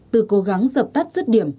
từ cố gắng dập tắt rứt điểm